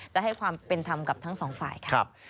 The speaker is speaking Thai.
จะให้ความเป็นทำกับทั้ง๒ฝ่ายครับ